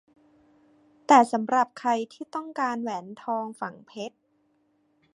แต่สำหรับใครที่ต้องการแหวนทองฝังเพชร